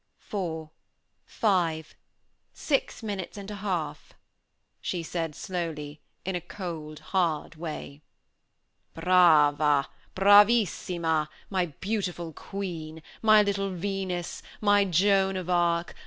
"Four five six minutes and a half," she said slowly, in a cold hard way. "Brava! Bravissima! my beautiful queen! my little Venus! my Joan of Arc!